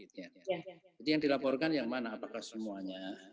jadi yang dilaporkan yang mana apakah semuanya